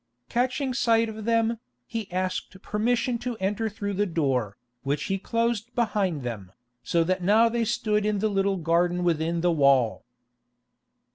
Catching sight of them, he asked permission to enter through the door, which he closed behind them, so that now they stood in the little garden within the wall.